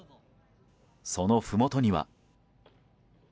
そのふもとには。